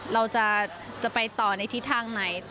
เราจะไปต่อในทิศทางไหน